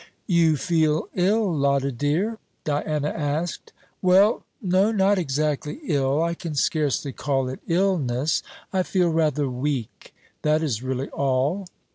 "You feel ill, Lotta dear?" Diana asked. "Well, no, not exactly ill. I can scarcely call it illness; I feel rather weak that is really all."